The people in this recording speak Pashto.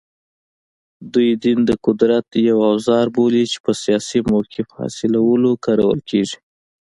دوی دین د قدرت یو اوزار بولي چې په سیاسي موقف حاصلولو کارول کېږي